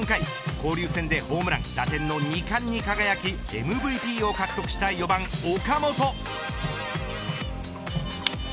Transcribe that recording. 交流戦でホームラン、打点の二冠に輝きＭＶＰを獲得した４番、岡本。